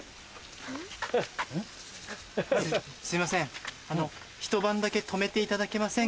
すいません